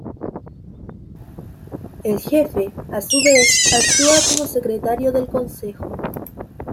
El Jefe, a su vez, actúa como Secretario del Consejo.